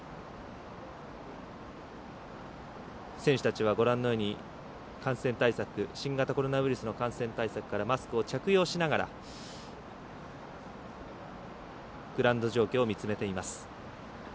選手たちはご覧のように新型コロナウイルスの感染対策からマスクを着用しながらグラウンド状況を見つめています。